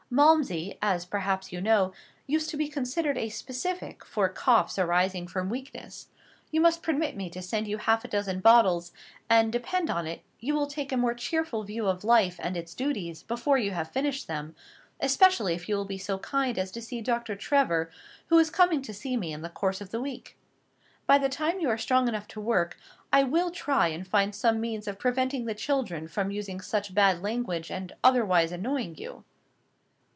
Malmsey, as perhaps you know, used to be considered a specific for coughs arising from weakness. You must permit me to send you half a dozen bottles, and, depend upon it, you will take a more cheerful view of life and its duties before you have finished them, especially if you will be so kind as to see Dr. Trevor, who is coming to see me in the course of the week. By the time you are strong enough to work, I will try and find some means of preventing the children from using such bad language, and otherwise annoying you."